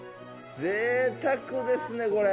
ぜいたくですね、これ。